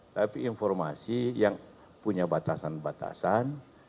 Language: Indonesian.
tapi informasi yang punya batasan batasan